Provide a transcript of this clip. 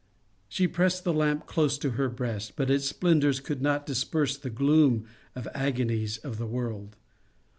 " She pressed the lamp close to her breast, but its splendours could not disperse the gloom of the agonies of the world.